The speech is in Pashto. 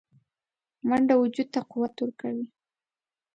منډه وجود ته قوت ورکوي